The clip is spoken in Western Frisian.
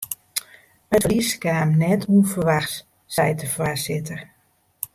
It ferlies kaam net ûnferwachts, seit de foarsitter.